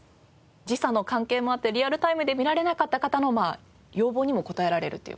時差の関係もあってリアルタイムで見られなかった方の要望にも応えられるという事なんですね。